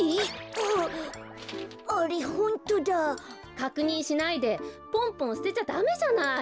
かくにんしないでポンポンすてちゃダメじゃない。